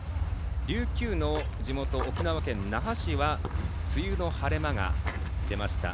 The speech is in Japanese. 琉球の地元・沖縄県那覇市は梅雨の晴れ間が出ました。